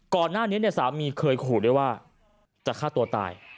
ก่อนหน้านี้เนี่ยสามีเคยขูดได้ว่าจะฆ่าตัวตาย